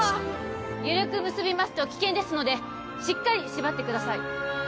ゆるく結びますと危険ですのでしっかり縛ってください